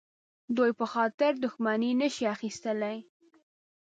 دوی په خاطر دښمني نه شي اخیستلای.